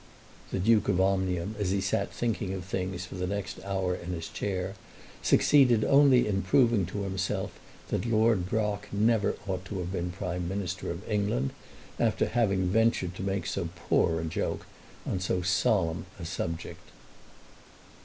The Duke of Omnium, as he sat thinking of things for the next hour in his chair, succeeded only in proving to himself that Lord Brock never ought to have been Prime Minister of England after having ventured to make so poor a joke on so solemn a subject.